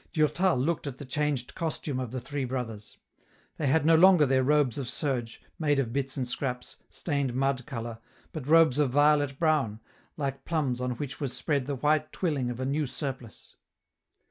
Durtal looked at the changed costume of the three brothers. They had no longer their robes of serge, made of bits and scraps, stained mud colour, but robes of violet brown, like plums on which was spread the white twilling of a new surplice.